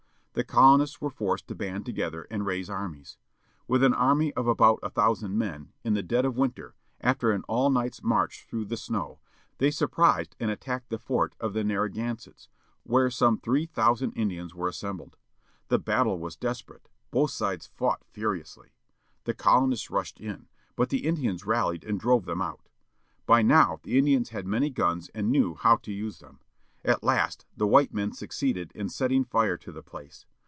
The colonists were forced to band together, and raise armies. With an army of about a thousand men, in the dead of winter, after an all night's march through the snow, they surprised and attacked the fort of the Narragansetts, where some three thousand Indians were assembled. The battle was desperate, both sides fought furiously. The colonists rushed in, but the Indians rallied and drove them out. By now the Indians had many guns and knew how to use them. At last the white men succeeded in setting fire to the place.